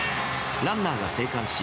ランナーが生還し